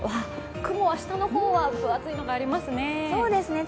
雲は、下の方は分厚いのがありますね。